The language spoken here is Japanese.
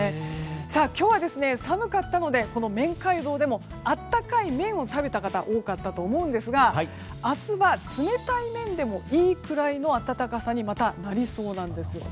今日は、寒かったので麺街道でも温かい麺を食べた方が多かったと思うんですが明日は冷たい麺でもいいくらいの暖かさにまたなりそうなんです。